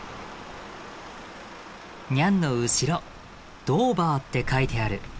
ニャンの後ろＤＯＶＥＲって書いてある。